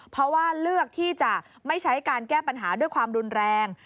เพราะว่าเลือกที่จะไม่ใช้การแก้ปัญหาด้วยความรุนแรง